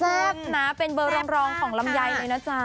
นะเป็นเบอร์รองของลำไยเลยนะจ๊ะ